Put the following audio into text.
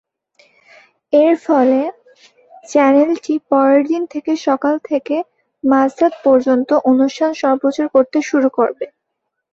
এর ফলে, চ্যানেলটি পরেরদিন থেকে সকাল থেকে মাঝ রাত পর্যন্ত অনুষ্ঠান সম্প্রচার করতে শুরু করে।